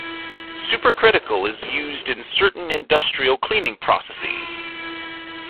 Supercritical is used in certain industrial cleaning processes.